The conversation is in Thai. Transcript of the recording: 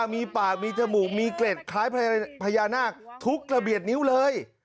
มีปากมีจมูกมีเกร็ดคล้ายพญานาคทุกระเบียดนิ้วเลย